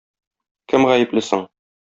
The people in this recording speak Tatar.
Кем гаепле соң?